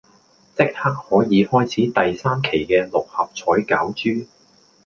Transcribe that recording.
即刻可以開始第三期嘅六合彩攪珠